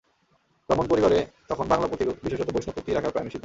ব্রাহ্মণ পরিবারে তখন বাংলা পুঁথি বিশেষত বৈষ্ণব পুঁথি রাখা প্রায় নিষিদ্ধ।